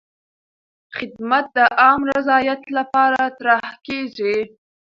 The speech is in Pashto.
خدمت د عامه رضایت لپاره طرحه کېږي.